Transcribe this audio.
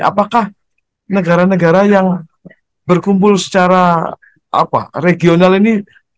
apakah negara negara yang berkumpul secara regional ini